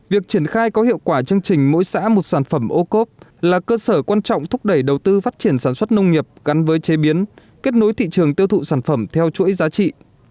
việc triển khai có hiệu quả chương trình mỗi xã một sản phẩm ô cốp là cơ sở quan trọng thúc đẩy đầu tư phát triển sản xuất nông nghiệp gắn với chế biến kết nối thị trường tiêu thụ sản phẩm theo chuỗi giá trị